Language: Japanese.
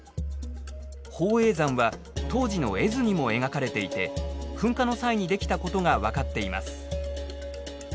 宝永山は当時の絵図にも描かれていて噴火の際にできたことが分かっています。